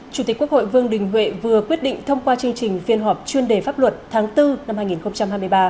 chủ tịch quốc hội vương đình huệ vừa quyết định thông qua chương trình phiên họp chuyên đề pháp luật tháng bốn năm hai nghìn hai mươi ba